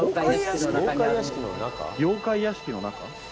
妖怪屋敷の中？